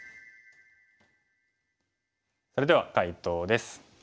それでは解答です。